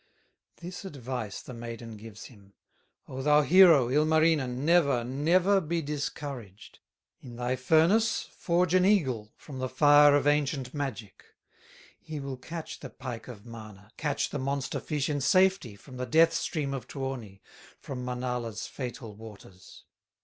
This advice the maiden gives him: "O thou hero, Ilmarinen, Never, never be discouraged: In thy furnace, forge an eagle, From the fire of ancient magic; He will catch the pike of Mana, Catch the monster fish in safety, From the death stream of Tuoni, From Manala's fatal waters."